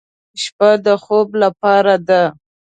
شپه د خوب لپاره ده.